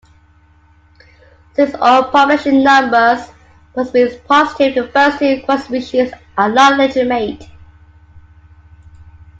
Since all population numbers must be positive, the first two quasispecies are not legitimate.